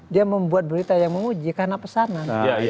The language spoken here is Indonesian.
dia membuat berita yang menguji karena pesanan